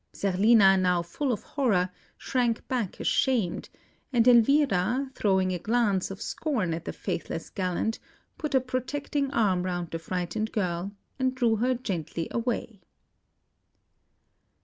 Zerlina, now full of horror, shrank back ashamed, and Elvira, throwing a glance of scorn at the faithless gallant, put a protecting arm round the frightened girl, and drew her gently away.